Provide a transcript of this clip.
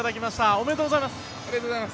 ありがとうございます。